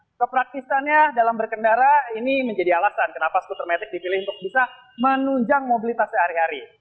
nah kepraktisannya dalam berkendara ini menjadi alasan kenapa skuter metik dipilih untuk bisa menunjang mobilitas sehari hari